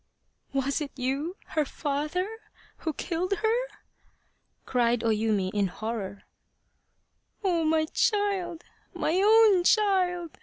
" Was it you, her father, who killed her ?" cried O Yumi, in horror. " Oh, my child, my own child